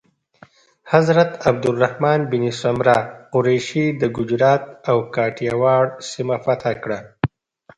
حضرت عبدالرحمن بن سمره قریشي د ګجرات او کاټیاواړ سیمه فتح کړه.